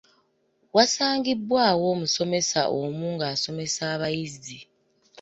Waasangibwawo omusomesa omu ng’asomesa abayizi.